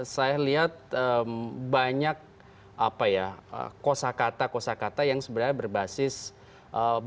saya lihat banyak apa ya kosa kata kosa kata yang sebenarnya berbasis budaya nyungkir